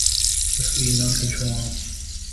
تصویر نہ کھنچوان